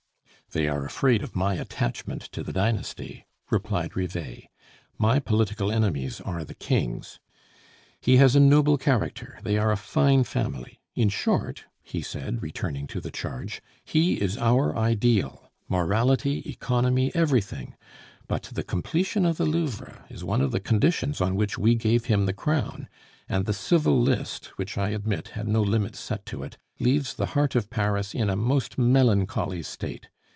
"They are afraid of my attachment to the dynasty," replied Rivet. "My political enemies are the King's. He has a noble character! They are a fine family; in short," said he, returning to the charge, "he is our ideal: morality, economy, everything. But the completion of the Louvre is one of the conditions on which we gave him the crown, and the civil list, which, I admit, had no limits set to it, leaves the heart of Paris in a most melancholy state.